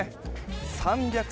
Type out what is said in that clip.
３００